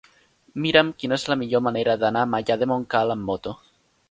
Mira'm quina és la millor manera d'anar a Maià de Montcal amb moto.